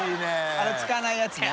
あれ使わないやつな。